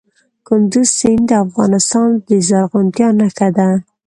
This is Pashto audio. کندز سیند د افغانستان د زرغونتیا نښه ده.